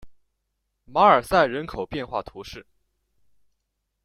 马尔赛人口变化图示